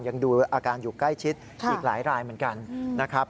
ยังดูอาการอยู่ใกล้ชิดอีกหลายรายเหมือนกันนะครับ